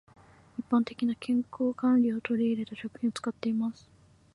一般的な健康管理を取り入れた食品を使っています。